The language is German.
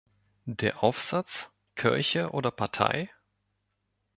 Der Aufsatz ""Kirche oder Partei?